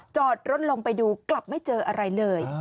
จอดรถลงไปดูกลับไม่เจออะไรเลย